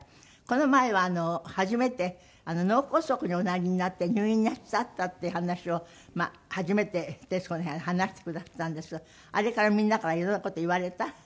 この前は初めて脳梗塞におなりになって入院なさったっていう話を初めて『徹子の部屋』で話してくだすったんですがあれからみんなからいろんな事言われた？